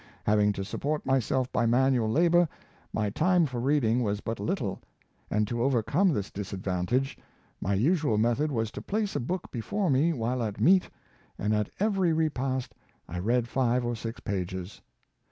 Having to support myself by manual labor, my time for reading was but little, and to overcome this disadvantage, my usual method was to place a book before me while at meat, and at every repast I read five or six pages."